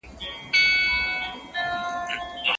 اوس باید خلک غفلت ونه کړي.